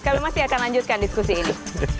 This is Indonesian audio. kami masih akan lanjutkan diskusi ini